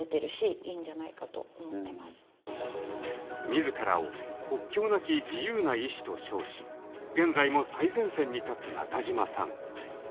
自らを「国境なき自由な医師」と称し現在も最前線に立つ中嶋さん。